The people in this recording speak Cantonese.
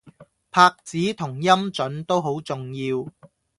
拍子同音準都好重要